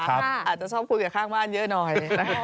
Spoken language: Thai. อาจจะชอบคุยกับข้างบ้านเยอะหน่อย